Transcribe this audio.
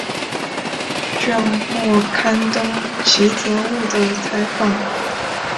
卷末刊登吉泽务的采访。